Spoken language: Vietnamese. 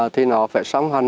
thì nó phải sống hành